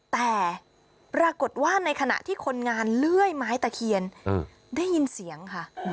แต่ปรากฏว่าในขณะที่คนงานเลื่อยไม้ตะเคียนได้ยินเสียงค่ะ